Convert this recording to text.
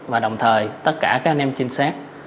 và đồng thời tất cả các anh em trinh sát